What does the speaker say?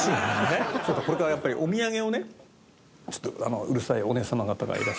これからやっぱりお土産をねちょっとうるさいお姉様方がいらっしゃって。